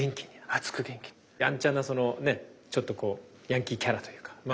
やんちゃなそのねちょっとこうヤンキーキャラというかまあ